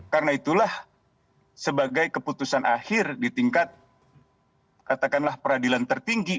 karena itulah sebagai keputusan akhir di tingkat katakanlah peradilan tertinggi